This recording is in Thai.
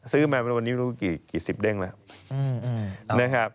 ซื้อมาวันนี้เราก็รู้ว่าสิบเด้งรึเปล่า